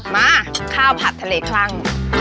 มาข้าวผัดทะเลคลั่ง